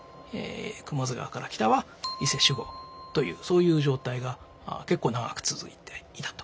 雲出川から北は伊勢守護というそういう状態が結構長く続いていたと。